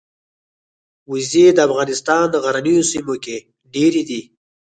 وزې د افغانستان غرنیو سیمو کې ډېرې دي